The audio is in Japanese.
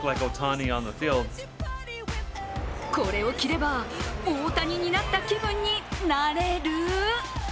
これを着れば、大谷になった気分になれる？